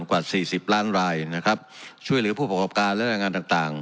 กว่าสี่สิบล้านรายนะครับช่วยเหลือผู้ประกอบการและแรงงานต่างต่าง